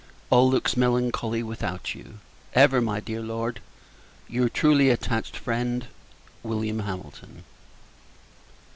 All looks melancholy without you. Ever, my dear Lord, your truly attached friend, Wm. HAMILTON.